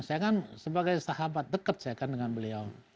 saya kan sebagai sahabat dekat dengan beliau